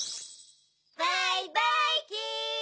バイバイキン！